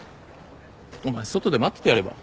お前外で待っててやれば？